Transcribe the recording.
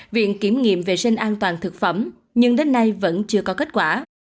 viện kiểm nghiệm vệ sinh an toàn thực phẩm nhưng đến nay vẫn chưa có kết quả